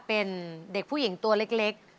เป็นเด็กผู้หญิงตัวเล็ก